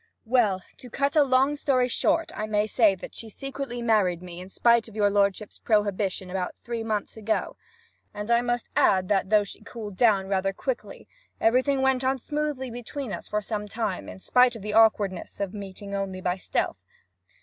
'Well, to cut a long story short, I may say that she secretly married me, in spite of your lordship's prohibition, about three months ago. And I must add that, though she cooled down rather quickly, everything went on smoothly enough between us for some time; in spite of the awkwardness of meeting only by stealth.